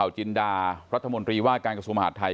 จินดารัฐมนตรีว่าการกระทรวงมหาดไทย